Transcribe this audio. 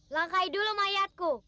langkai dulu mayatku